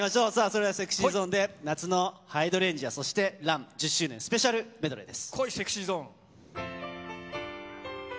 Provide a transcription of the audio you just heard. ＳｅｘｙＺｏｎｅで『夏のハイドレンジア』、『ＲＵＮ』の１０周年スペシャルメドレーです。